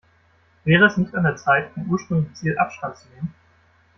Wäre es nicht an der Zeit, vom ursprünglichen Ziel Abstand zu nehmen?